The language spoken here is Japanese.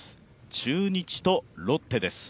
中日とロッテです。